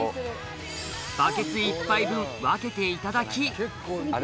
バケツ１杯分分けていただき